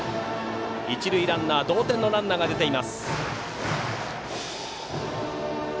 一塁ランナー同点のランナーが出ています。